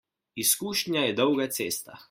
Izkušnja je dolga cesta.